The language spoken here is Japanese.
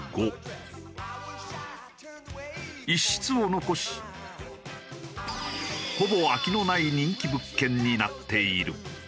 １室を残しほぼ空きのない人気物件になっている。